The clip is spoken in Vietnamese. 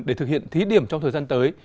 để thực hiện thí điểm trong thời gian tới